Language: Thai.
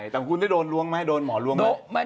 แต่คุณได้โดนล้วงไหมโดนหมอล้วงไหม